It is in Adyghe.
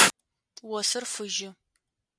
Осыр фыжьы.